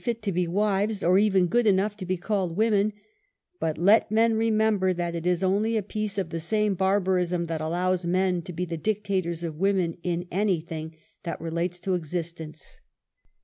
unlit to be wives or even good enough to be called women^^^ but let men remember, that it is only a piece of the same barbarism that allows men to be the dictators of women in anything that relates to exis tence.